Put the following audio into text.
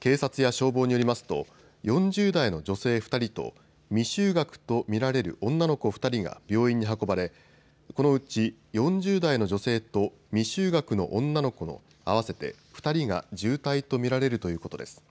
警察や消防によりますと４０代の女性２人と未就学と見られる女の子２人が病院に運ばれこのうち４０代の女性と未就学の女の子の合わせて２人が重体と見られるということです。